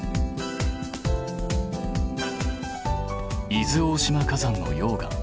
伊豆大島火山の溶岩。